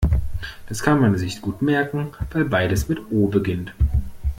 Das kann man sich gut merken, weil beides mit O beginnt.